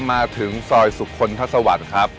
มาถึงซอยสุขคลทัศวรรค์ครับ